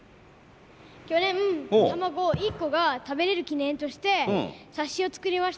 去年卵１個が食べれる記念として冊子を作りました。